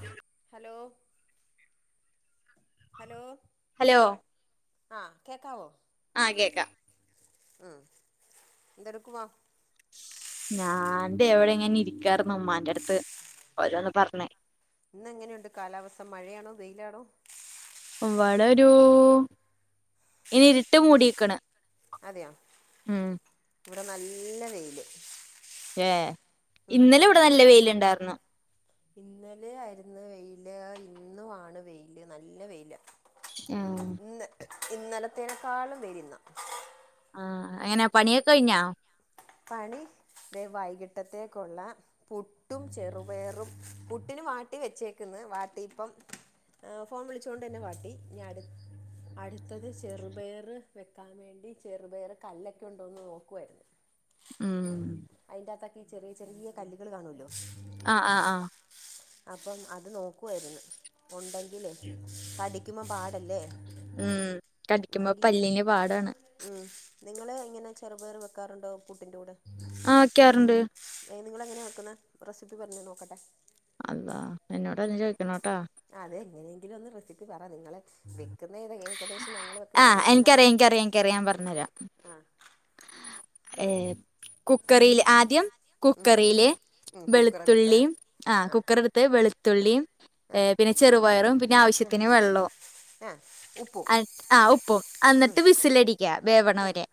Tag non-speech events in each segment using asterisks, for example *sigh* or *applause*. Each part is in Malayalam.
വടെ ഹലോ ഹലോ ഹലോ ആഹ് കേക്കാവോ ആഹ് കേക്കാം ഉം എന്തെടുക്കുവാ ഞാൻ തേ ഇവിടെ ഇങ്ങെനെ ഇരിക്കാർന്ന് ഉമ്മാന്റെട്ത്ത് ഓരോന്ന് പർഞ്ഞ് ഇന്നെങ്ങെനെയുണ്ട് കാലാവസ്ഥ മഴയാണോ വെയ്ലാണോ ഇവടൊരു ഇനി ഇര്ട്ട് മൂടീക്ക്ണ് അതെയോ ഇവ്ടെ നല്ല വെയില് ഏഹ് ഇന്നെലെവിടെ നല്ല വെയ്ല്ണ്ടാർന്നു ഇന്നലെ ആയിരുന്ന് വെയില് ഇന്നു ആണ് വെയില് നല്ല വെയിലാ ആഹ് ഇന്ന് ഇന്നെലെത്തേനക്കാളും വെയ്ല് ഇന്നാ ആഹ് എങ്ങെനെ പണിയൊക്കെഴ്ഞ്ഞാ പണി ദേ വൈകിട്ടെത്തേക്കുള്ളാ പുട്ടും ചെറുപയറും പുട്ടിന് വാട്ടി വെച്ചേക്ക്ന്ന് വാട്ടിയ്പ്പം ഫോൺ വിളിചോണ്ടെന്നെ വാട്ടി ഇഞട്ത്തെ ത് ചെറുപയറ് വെക്കാ വേണ്ടി ചെറുപയർ കല്ലൊക്കെയുണ്ടോന്ന് നോക്കുവായിരുന്നു ഉം അയിന്റാത്തക്കെ ഈ ചെറിയ ചെറിയ കല്ലുകള് കാണുല്ലോ? ആഹ് ആഹ് ആഹ് അപ്പം അത് നോക്കുവായിരുന്ന് ഒണ്ടെങ്കിലേ കടിക്കുമ്പോ പാടല്ലേ? ഉം കടിക്കുമ്പോ പല്ലിന് പാടാണ് മ് നിങ്ങള് എങ്ങനെ ചെറുപയറ് വെക്കാറുണ്ടോ പുട്ടിൻ്റെ കൂടെ? ആ വെക്കാറ്ണ്ട് എഹേ നിങ്ങളെങ്ങനെയാ വെക്കുന്നേ? റെസിപ്പി പറഞ്ഞേ നോക്കട്ടെ അള്ളാ എന്നോടന്നെ ചേയിക്കണോട്ടാ അതെ എങ്ങനെങ്കിലെന്ന് റെസിപ്പി പറ നിങ്ങളെ വെക്കുന്നേ ഏകദേശം ഞങ്ങള് വെക്കുന്ന ആഹ് എനിക്കറിയാം പോലെയാണോന്നറിയണ്ടേ? എനിക്കറിയാം എനിക്കറിയാം ഞാൻ ആഹ് ഏഹേ കുക്കറില് ആദ്യം കുക്കറീല് ഉം കുക്കറെടുത്ത് വെളുത്തുള്ളിം ആഹാ ആ കുക്കറെടുത്ത് വെളുത്തുള്ളിയും ആ ഏഹ് പിന്നെ ചെറുപയറും പിന്നെ ആവശ്യ ത്തിന് വെള്ളൊവും ആ ഉപ്പും *unintelligible* ആ ഉപ്പും എന്നട്ട് വിസിലടിക്ക വേവണവരെ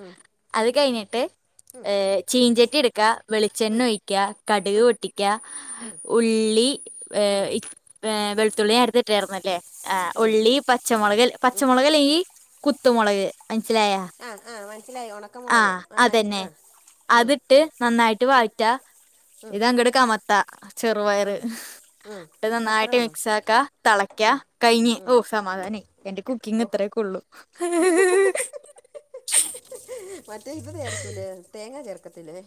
ഉംഹ് അത് കഴിഞ്ഞിട്ട് എഹ് ചീഞ്ചട്ടിയെട്ക്കാ വെളിച്ചെണ്ണ ഒഴിക്കാ കട്ക് പൊട്ടിക്കാ ഉള്ളി ഉം ഏഹ് ഇ വേ വെൾത്തുള്ളി നേര്ത്തെട്ടായിരുന്നല്ലേ ആഹാ ഉം ഉള്ളി, പച്ചമുളക്, പച്ചമുളകല്ലേ ഈ കുത്തു മൊളക് മനസ്സിലായാ? ആഹ ആഹ് മനസ്സിലായി ഉണ ആഹ് അതന്നെ അത്ട്ട് നന്നായിട്ട് വായറ്റ ഉം ഇതങ്ങട് കമ ത്ത ചെറുപയറ് ഉം ഉം ന്നട്ട് അത്രേ നന്നായിട്ട് ഉള്ളൂ മിക്സാക്കാ തളയ്ക്കാ ഉം കഴിഞ് ഉം ഹോ സമാധാനായി എന്റെ കുക്കിംഗ് ഓ ഇത്രയെക്കൊള്ളു മറ്റേ ഇത് ചേർക്കൂലേ തേങ്ങ ചേർക്കത്തില്ലേ?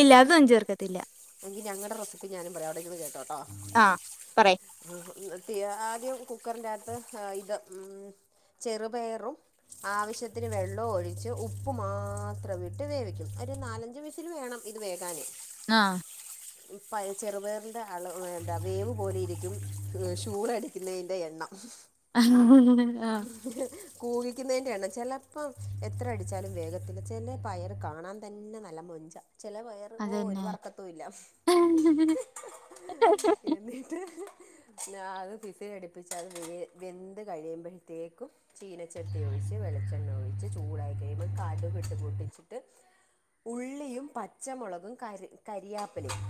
ഇല്ല അതൊന്നും ചേർക്കത്തില്ല എങ്കി ഞങ്ങടെ റെസിപ്പി ഞാനും പറയാ അവിടെരിന്ന് കേട്ടോട്ടോ? ആ പറയ് *unintelligible* ഇന്നട്ട് ആദ്യം കുക്കറിന്റകത്ത് ഇത് മ്മ് ചെറുപയറും ആവിശ്യത്തിന് വെള്ളവൊഴിച്ച് ഉപ്പ് മാത്രവിട്ട് വേവിക്കും ഒരു നാലഞ്ച് വിസി - - ല് വേണം ഇത് വേഗാന് ആഹ് ചെറുപയറിന്റെ അള എന്താ വേവ് പോലെയിരിക്കും ശൂളയടിക്കുന്നേന്റെ എണ്ണം ! ! ! ! ! ! ! ! ! ! !! ! ! ! ! ! ! ! ! ! കൂവിക്ക്ന്നേന്റെയെണ്ണം ചെലപ്പം എത്ര അടിച്ചാലും വേഗത്തില്ല ചെല പയറ് കാണാൻ തന്നെ നല്ല മൊഞ്ചാ ചെല പയറ് അതന്നെ എന്നിട്ട് പിന്നെ അത് വിസിലടിപ്പിച്ച് അത് വെന്ത് കഴിയുമ്പയത്തേക്കും ചീനച്ചട്ടി ഒഴിച്ച് വെളിച്ചെണ്ണ ഒഴിച്ച് ചൂടായി കഴിയുമ്പോ കടുകിട്ട് പൊട്ടിച്ചിട്ട് ഉള്ളിയും, പച്ചമുളകും, കരി കരിയാപ്പിലയും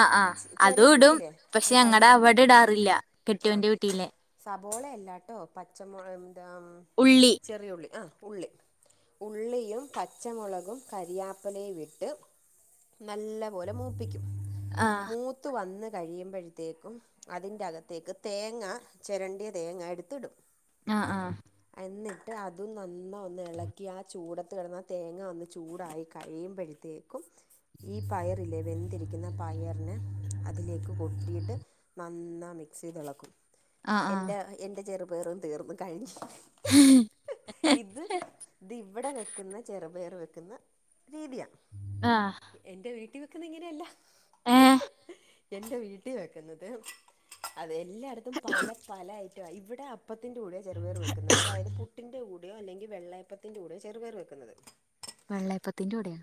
ആഹ് ആഹ് ചെറിയ അതൂടും ഉള്ളിയില്ലേ പക്ഷെ സരി അങ്ങടാ അവടെടാറില്ല കെട്ടിയോന്റെ വീട്ടീലേ സബോളെയല്ലാട്ടോ പച്ചമൊളകെ ന്താ ഉള്ളി. ചെറിയൊള്ളി ആഹ് ഉള്ളി. ഉള്ളിയും, പച്ചമൊളകും, കരിയാപ്പിലയുവിട്ട് നല്ല പോ വെയ്ക്കൂം ആ മൂ ത്ത് വന്ന് കഴിയുമ്പഴ്ത്തേക്കും അതിന്റകത്തേക്ക് തേങ്ങ ചെരണ്ടിയ തേങ്ങ എടുത്തിടും. ആഹ് ആഹ്. എന്നിട്ട് അതും നന്ന ഒന്ന് ഇളക്കി ആ ചൂടത്ത് കിടന്ന് ആ തേങ്ങ ഒന്ന് ചൂടായി കഴിയുമ്പഴ തേക്കും ഈ പയറില്ലെ വെ ത്തിരിക്കുന്ന പയറിനെ അതിലേക്ക് കൊട്ടീട്ട് നന്നാ മിക്സെയ്തെളക്കും. ആ ആ എന്റെ എന്റെ ചെറുപേറും തീർന്ന് കഴിഞ്ഞ് ഇത് ഇത് ഇവിടെ വെക്കുന്ന ചെറുപയർ വെക്ക്ന്ന രീതിയാ ആഹ്. എന്റെ വീട്ടി വെക്കുന്നേ ഇങ്ങനെയല്ല. ഏഹ്. എന്റെ വീട്ടി വെക്കുന്നത് അത് എല്ലായിടത്തും പല പല ഐറ്റവാ ഇവടെ പ്പത്തിൻ്റെ കൂടെയാ ചെറുപയറ് വെക്കുന്നത്. അതായത് പുട്ടിൻ്റെ കൂടെയോ അല്ലെങ്കിൽ വെള്ളയപ്പത്തിൻ്റെ കൂടെയോ ചെറ്പയറ് വെക്കുന്നത്. വെള്ളയപ്പത്തിന്റൂട്യാേ?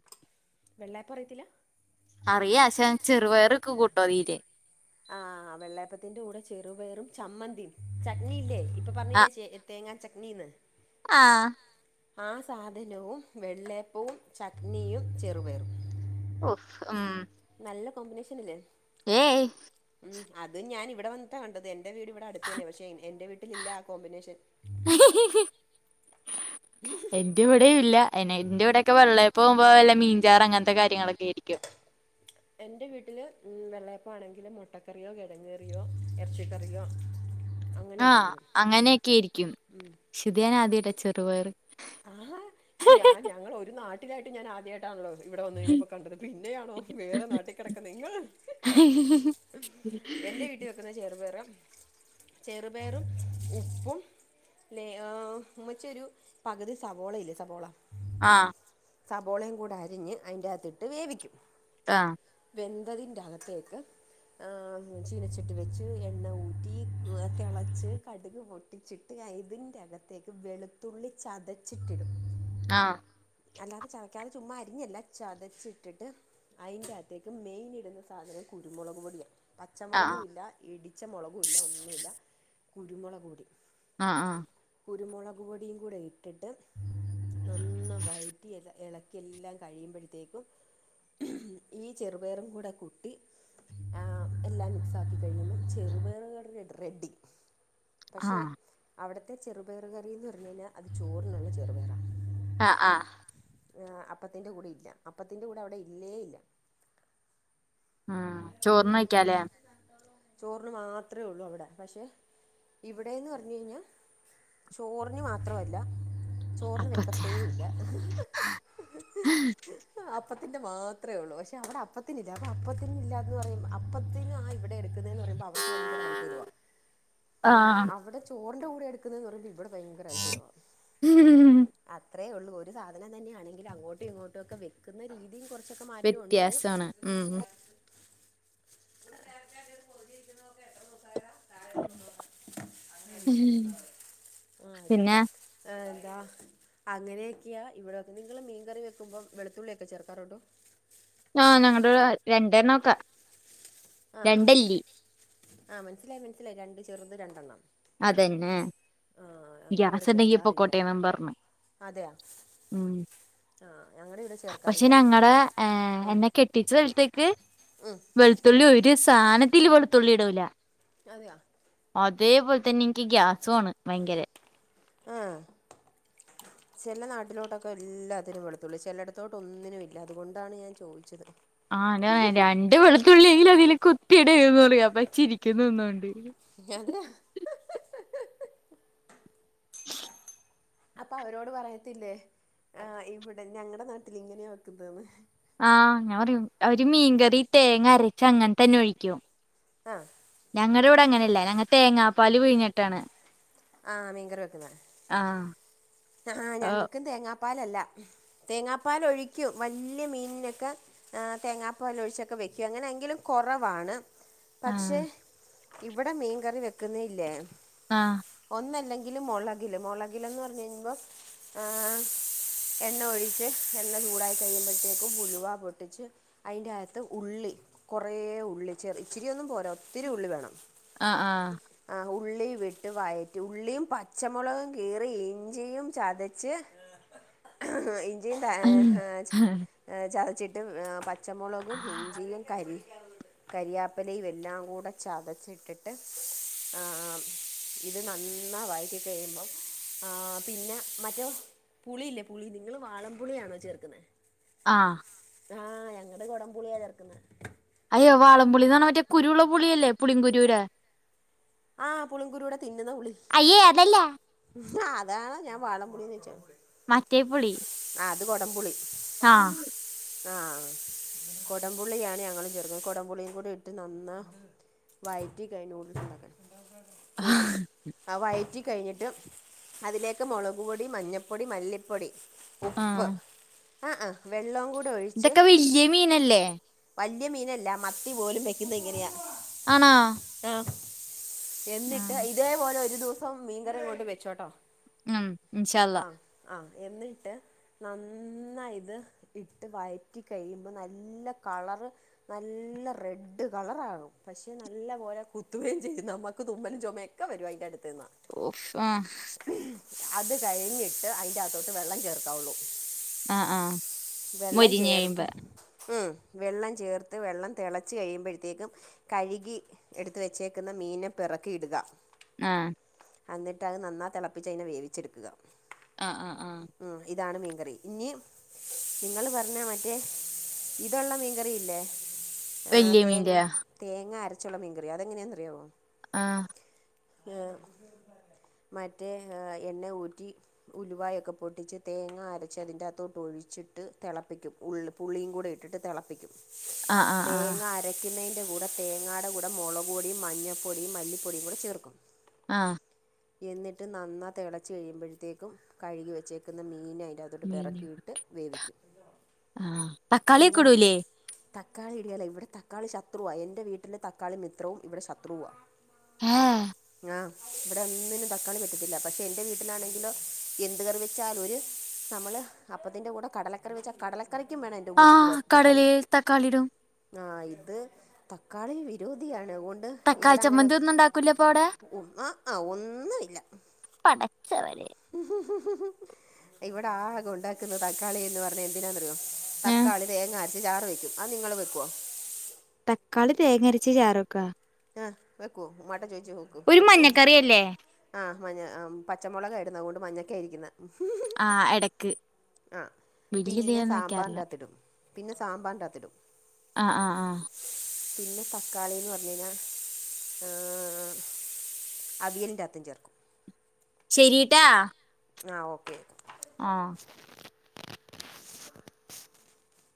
വെള്ളയപ്പ അറിയത്തില്ല? അറിയാ ഷെ ചെറുപയറൊക്കെ കൂട്ടോ അതീല് ആഹ് വെള്ളയപ്പത്തിൻ്റെ കൂടെ ചെറുപേറും ചമ്മന്തിം. ചട്നിയില്ലേ ഇപ്പൊ പറഞ്ഞീലേ ചേ തേങ്ങാ ചട്നീന്ന്. ആഹ്. ആ സാധനവും വെള്ളയപ്പവും ചട്നിയും ചെറുപയറും. ഉഫ് ഉം നല്ല കോമ്പിനേഷനല്ലേ. ഏയ്. ഉം അതും ഞാൻ ഇവിടെ വന്ന്ട്ടാ കണ്ടത് എന്റെ വീട് ഇവിടെ അടുത്തു തന്ന്യാ പക്ഷെ എന്റെ വീട്ടിലില്ല ആ കോമ്പിനേഷൻ. എന്റെവിടെയുല്ല എന്നെ ന്റെ യൂടെ ക്കെ വെള്ളയപ്പാകുമ്പോ വല്ല മീൻചാറാ അങ്ങൻത്ത കാര്യങ്ങളൊക്കേയിരിക്കും. എന്റെ വീട്ടില് വെള്ളയപ്പാണെങ്കില് മുട്ടക്ക കറിയോ കെഴങ്ങ് കറിയോ എറച്ചിക്കറിയോ ആഹ് അങ്ങനോക്കേയിരിക്കും. ക്ഷേ ഇത് ഞാനാദ്യായിട്ടാ ചെറുപയറ് ആഹാ ഞാ ഞങ്ങളൊരു നാട്ടിലായിട്ടും ഞാൻ ആദ്യവായി ട്ടാണല്ലോ ഇവിടെ വന്നഴിഞ്ഞപ്പോ കണ്ടത് പിന്നെയാണോ വേറെ നാട്ടിൽ കെടക്ക്ന്ന നിങ്ങൾ എന്റെ വീട്ടീ വെ ക്ക്ന്ന ചെറുപയറ്. ചെറുപയറും ഉപ്പും ലേ ആഹ് ഉമ്മച്ചി ഒരു പകുതി സവോളയില്ലേ സവോള ആഹ്. സബോളയും കൂടെ അരിഞ്ഞ് അയിൻ്റാത്തിട്ട് വേവിക്കും. ആഹ്. വെന്തതിന്റകത്തേക്ക് ആഹ് ചീനച്ചട്ടി വെച്ച് എണ്ണ ഊറ്റി തെളച്ച് കടുക് പൊട്ടിച്ചി ട്ട് അയ്തിൻ്റെ അകത്തേക്ക് വെളുത്തുള്ളി ചതച്ചിട്ടിടും. ആഹ്. അല്ലാതെ ചതക്കാതെ ചുമ്മാ അരിഞ്ഞല്ല ചതച്ചിട്ടിട്ട് അയിന്റാത്തേക്ക് മെയിൻ ഇടുന്ന സാധനം കുരുമൊളക്പൊടിയാ. പച്ചമൊളകും ആഹ് ഇല്ല ഇടിച്ച മൊളകും ഇല്ല ഒന്നുല്ല കുരുമുളക് പൊടി. ആഹ് ആഹ്. കുരുമുളക് പൊടിയും കൂടെ ഇട്ടിട്ട് നന്നാ വയറ്റി എല്ല എളക്കിയെല്ലാം കഴിയുമ്പഴ്ത്തേക്കും, ഹ്മ്മ് ഈ ചെറുപയറും കൂടെ കൂട്ടി. ആഹ് എല്ലാം മിക്‌സാക്കി കഴിയുമ്പം ചെറുപയറു കറി റെഡി ആഹ് പക്ഷേ അവിടത്തെ ചെറുപയർ കറീന്ന് പറഞ്ഞു കയിഞ്ഞാൽ അത് ചോറിനുള്ള ചെറുപയറാ ആഹ് ആഹ് ആഹ് അപ്പത്തിന്റെ കൂടെ ഇല്ല. അപ്പത്തിന്റെ കൂടെ അവിടെ ഇല്ലേ ഇല്ല. ആഹ് ചോർന് ഒയ്ക്കാലോ ചോറിന് മാത്രേ ഉള്ളൂ അവിടെ പക്ഷേ ഇവിടെന്ന് പറഞ്ഞു കയിഞ്ഞ ചോറിന് മാത്രവല്ല ചോറിന് അപ്പത്തെ വെക്കത്തേ ഇല്ല. അപ്പത്തിന്റെ മാത്രേള്ളൂ പക്ഷെ അവടെ അപ്പത്തിനില്ല അപ്പൊ അപ്പത്തിനില്ലന്ന് പറയുമ്പ് അപ്പത്തിന് ആ ഇവിടെ എടുക്കുന്നെന്ന് പറയുമ്പോ അവർക്ക് ഭയങ്കര അത്ഭുത. ആഹ് അവിടെ ചോറിന്റെ കൂടെ എടുക്കുന്നെന്ന് പറയുമ്പോ ഇവിടെ ഭയങ്കര അത്ഭുതവാ. അ അത്രേുള്ളൂ ഒരു സാധനം തന്നെയാണെങ്കിൽ അങ്ങോട്ടും ഇങ്ങോട്ടും ഒക്കെ വെക്കുന്ന രീതി തീം കുറച്ചൊക്കെ മാറ്റോണ്ട് വ്യത്യാസാണ് ഉം *unintelligible* ആഹ് പിന്നെ ഇത്ടക്ക ആഹ് എന്താ അങ്ങനെ യാ ഇവിടെ വന്ന് നിങ്ങള് മീൻകറി വെക്കുമ്പോ വെളുത്തുള്ളിയൊക്കെ ചേർക്കാറുണ്ട. ആഹ് ഞങ്ങടെ വിടെ രണ്ടെണ്ണൊക്കെ രണ്ടല്ലി ആഹ് മന്സിലായി മനസ്സിലായി രണ്ട് ചെറുത് രണ്ടെണ്ണം. അതന്നെ ആ ഞങ്ങളിവിടെ ഗ്യാസ്സുണ്ടെങ്കി ചേർക്കാറില്ല പൊക്കോട്ടെന്നും പറഞ്ഞ്. ഉമ് ആഹ് ഞങ്ങട ശ് പക്ഷെ ഞങ്ങടെ ഏഹ് എന്നെ കെട്ടിച്ച സ്ഥലത്തേക്ക് ഉമ് ത്തുള്ളി ഒരു സാനത്തിൽ വെളുത്തുള്ളി ഇടൂല. അതെയാ അതേപോ ന്നെ ഗ്യാസ്വാണ് ഭയങ്കര ആഹ് ചെല നാട്ടിലോട്ടൊക്കെ എല്ലാത്തിനും വെളുത്തുള്ളി ചിലടത്തോട്ട് ഒന്നിനും ഇല്ല അതുകൊണ്ടാണ് ഞാൻ ചോദിച്ചത്. ആഹ് ആന് രണ്ട് വെളുത്തുള്ളെങ്കിൽ അതില് കുത്തിടന്ന് പറയാ അപ്പ ചിരിക്കുന്ന ഒന്നണ്ട് *unintelligible* അപ്പൊ അവരോട് പറയത്തില്ലേ ആഹ് ഇവിടെ ഞങ്ങടെ നാട്ടിൽ ഇങ്ങനെയാ വെക്കുന്നെ ന്ന്. ആഹ് ഞാൻ പറയും അവര് മീൻകറി തേങ്ങ അരച്ച അങ്ങനെതന്നെ ഒഴിക്കും. ആഹ് ഞങ്ങടിവിടെ അങ്ങനെയല്ല ഞങ്ങ തേങ്ങാപ്പാല് പിഴിഞ്ഞിട്ടാണ് ആഹ് മീൻകറി വെക്കന്ന ആഹ് ആഹ് ഓഹ് ഞങ്ങൾക്കും തേങ്ങാപ്പാലല്ല. തേങ്ങാപ്പാലൊഴിക്കും വല്യ മീനിനൊക്കെ ആഹ് തേങ്ങാപ്പാലൊഴിച്ചൊക്കെ വെക്കും അങ്ങനെ എങ്കിലും കുറവാണ്. പക്ഷേ, ആഹ് ഇവിടെ മീൻകറി വെക്കുന്നതില്ലേ ആഹ് ഒന്നല്ലെങ്കില് മുളകില്, മുളകിലെന്നു പറഞ്ഞു കഴിയുമ്പോം ഏഹ് എണ്ണ ഒഴിച്ച് എണ്ണ ചൂടായി കഴിയുമ്പോഴത്തേക്കും ഉലുവ പൊട്ടിച്ച്. അയിന്റെ അകത്ത് ഉള്ളി കൊറേ ഉള്ളി ചെറി ഇച്ചിരിയൊന്നും പോരാ ഒത്തിരി ഉള്ളി വേണം. ആഹ് ആഹ് ആഹ് ഉള്ളി വിട്ട് വയറ്റി ഉള്ളിയും പച്ചമുളകും കിറി ഇ ഞ്ചിയും ചതച്ച് അഹ് ഞ്ചിയും ഏഹ് ആഹ് ചതച്ചിട്ട് പച്ചമുളകും ഇഞ്ചിയും കരി കരിയാപ്പിലയും എല്ലാം കൂടെ ചതച്ചിട്ടിട്ട് ആഹ് ആഹ് ഇത് നന്ന വഴറ്റി കഴിയുമ്പം ആഹ് പിന്നെ മറ്റേ പുളിയില്ലേ പുളി നിങ്ങള് വാളം പുളിയാണോ ചേർക്കുന്നെ? ആഹ് ആഹ് ഞങ്ങടെ കൊടം പുളിയാ ചേർക്കുന്നെ. അയ്യോ വാളം പുളീന്ന് പറഞ്ഞ മറ്റേ കുരൂള്ള പുളിയല്ലേ പുളിം കുരൂരെ. ആഹ് പുളിങ്കുരൂടെതിന്ന്ന്ന പുളി- അയ്യേ അതല്ല. അതാണൊ ഞാൻ വാളം പുളീന്ന് ചോയ്ച്. മറ്റേപുളി. ആഹ് അത് കൊടംപുളി. ആഹ് ആഹ് കൊടംപുളിയാണ് ഞങ്ങള് ചെർക കൊടംപുളീംകൂടിഇട്ട് നന്നാ വയറ്റി കയ് നൂഡിൽസ് ഉണ്ടാക്കാൻ നൂഡിൽസ്. ആഹ് വയറ്റി കഴ്ഞ്ഞിട്ട് അതിലേക്ക് മുളക് പൊടി മഞ്ഞപ്പൊടി മല്ലിപ്പൊടി- ഉപ്പ് ആഹ് ആ ഹേ വെള്ളം കൂ ഇതൊക്കെ വല്ല്യ മീനല്ലേ? വല്ല്യ മീനല്ല മത്തി പോലും വെക്കുന്നെ ഇങ്ങനെയാ. ആണോ? ആഹ് എന്നിട്ട് ആഹ് ഇതേപോലെ ഒരു ദിവസം മീൻകറി അങ്ങോട്ട് വെച്ചോട്ടോ. ഉം ഇൻഷാളളാ. ആഹ് ആഹ് എന്നിട്ട്- നന്നയിത് ഇട്ട് വഴറ്റി കഴിയുമ്പോ നല്ല കളർ നല്ല റെഡ് കളറാകും. പക്ഷെ നല്ല പോലെ കുത്തുകയും ചെയ്യും നമ്മുക്ക് തുമ്മലും ചുമ ഒക്കെ വരുംഅയ്ന്റട്ത് നിന്നാ- ഓഫ് ആഹ് അത് കഴിഞ്ഞിട്ട് അതിന്റെകത്തോട്ട് വെള്ളം ചേർക്കാവുള്ളൂ. ആഹ് ആഹ്- വെള്ളം മൊരിഞ്ഞ് ചേർത്ത് കഴിയുമ്പോ ഉം വെള്ളം ചേർത്ത് വെള്ളം തിളച്ച് കഴിയുമ്പോത്തേക്കും- കഴ്കി എട്ത്ത വെച്ചേക്കുന്ന മീനെ പെറ്ക്കിയിടുക. ആഹ്- അന്നിട്ട് അത് നന്നാ തെളപ്പിച്ച് അയ്നെവേവിച്ചെട്ക്കുക. ആഹ് ആഹ് ആഹ് ആഹ് ഇതാണ് മീൻകറി ഞ്ഞി നിങ്ങള് പറഞ്ഞ മറ്റേ ഇതുള്ള മീൻകറി ഇല്ലേ ആ വല്യ തേങ്ങ് മീന്റെയാ തേങ്ങ അരച്ചുള്ള മീൻ കറി അതെങ്ങനെന്നറിയാവോ? ആഹ്- ഏഹ് മറ്റേ എണ്ണേ ഊറ്റി- ഉലുവായൊക്കെ പൊട്ടിച്ച് തേങ്ങ അരച്ച് അതിൻ്റാത്തോട്ട് ഒഴിച്ചിട്ട് തെളപ്പിക്കും. ഉള്ള് പുളിയും കൂടി ഇട്ടിട്ട് തെളപ്പിക്കും. ആഹ് ആഹ് തേങ്ങ ആഹ് അരക്കുന്നീന്റെ കൂടെ തേങ്ങാടെ കൂടെ മൊളക്പൊടിം മഞ്ഞപ്പൊടിം മല്ലിപ്പൊടീം കൂടെ ചേർക്കും. ആഹ്- എന്നിട്ട് നന്ന തെളച്ച് കഴിയുമ്പോഴ്ത്തേക്കും കഴ്കി വെച്ചേക്ക്ന്ന മീന് അയ്ന്റെ ആഹ് നിങ്ങൾ തക്കാളൊക്കെടൂലേ? തക്കാളി ഇടേല ഇവിടെ തക്കാളി ശത്രുവ എന്റെ വീട്ടില് തക്കാളി മിത്രവും ഇവിടെ ശത്രുവുവാ. ഏഹ് ഇവ്ടെ ഒന്നിനും തക്കാളി പറ്റത്തില്ല പക്ഷെ എന്റെ വീട്ടിലാണെങ്കിലോ എന്ത് കറി വെച്ചാലു ഒര് നമ്മള് അപ്പത്തിന്റെ കൂടെ കടലക്കറി വെച്ച കടല കറിക്കുംവേണയ്ന്റൊ ആഹ് കടലയിൽ തക്കാളിടും. ആഹ് ഇത് തക്കാളി വിരോധിയാണ് അതുകൊണ്ട്- തക്കാളി ഇവിടെ അങ്ങനെ ചമ്മന്തി ഒന്നും ഉണ്ടാക്കൂലപ്പൊ അവിടെ ഉ ആഹ് ആഹ് ഒന്നുംമില്ല- പടച്ചവരെ- ഉ ഇവിടെ ആകെ ഉണ്ടാക്കുന്ന തക്കാളി എന്ന് പറഞ്ഞ എന്തിനാെന്നറയോ ആഹ് തക്കാളി തേങ്ങാ അരച്ച ചാറ് വെക്കും. അത് നിങ്ങള് വെക്ക്വോ? തക്കാളി തേങ്ങരച്ച് ചാറ് വെക്കാ ആഹ് വെക്കു ഉമ്മാടെ ചേച്ചി ഒരു വെക്കു മഞ്ഞക്കറിയല്ലേ *unintelligible* ആഹ് മഞ്ഞ ആം പച്ചമുളകായിരുന്നു അതുകൊണ്ട് മഞ്ഞക്കായിരിക്കുന്നേ ആഹ് എടയ്ക്ക് ആഹ് പിന്നെ സാമ്പാറിന്റകത്തിടും പിന്നെ സാമ്പാറിന്റകത്തിടും. ആഹ് ആഹ് ആഹ് പിന്നെ തക്കാളിന്ന് പറഞ്ഞു കഴിഞ്ഞാ ഏഹ് അവിയലിന്റെ അകത്തും ചേർക്കും. ശരീട്ടാ ആഹ് ഓക്കേ ആഹ്